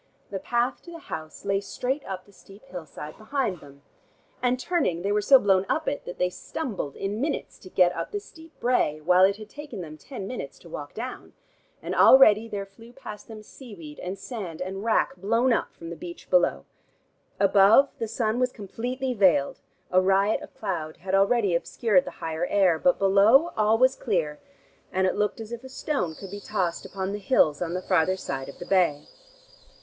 The path to the house lay straight up the steep hillside behind them, and turning they were so blown up it, that they stumbled in trying to keep pace to that irresistible torrent of wind that hurried them along. It took them but five minutes to get up the steep brae, while it had taken them ten minutes to walk down, and already there flew past them seaweed and sand and wrack, blown up from the beach below. Above, the sun was completely veiled, a riot of cloud had already obscured the higher air, but below, all was clear, and it looked as if a stone could be tossed upon the hills on the farther side of the bay.